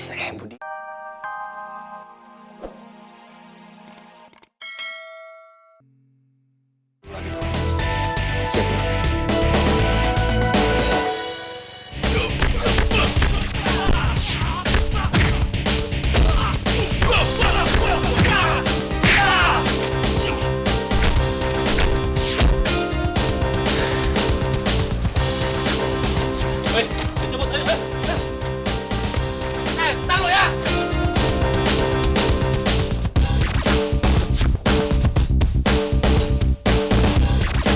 hei jangan buat aja